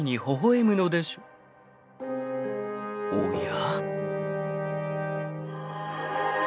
［おや？］